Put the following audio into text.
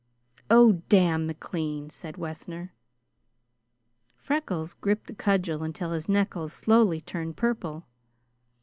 "Oh, damn McLean!" said Wessner. Freckles gripped the cudgel until his knuckles slowly turned purple.